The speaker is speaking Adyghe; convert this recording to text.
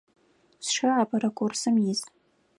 Сшы апэрэ курсым ис.